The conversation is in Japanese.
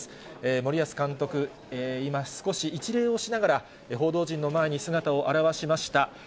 森保監督、今、少し、一礼をしながら、報道陣の前に姿を現しました。